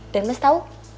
dan mas tau